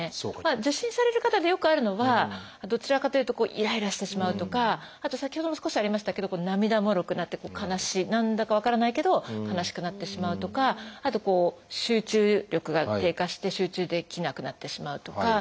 受診される方でよくあるのはどちらかというとイライラしてしまうとかあと先ほども少しありましたけど涙もろくなって悲しい何だか分からないけど悲しくなってしまうとかあと集中力が低下して集中できなくなってしまうとか。